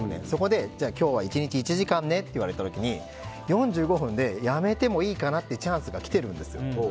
そこで今日は１日１時間ねって言われた時に４５分でやめてもいいかなってチャンスが来てるんですよ。